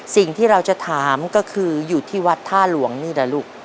สิ่งที่เราจะถามก็คืออยู่ที่วัดท่าหลวงนี่แหละลูก